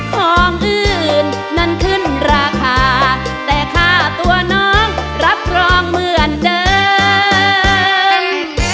ของอื่นนั้นขึ้นราคาแต่ค่าตัวน้องรับรองเหมือนเดิม